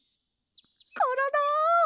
コロロ！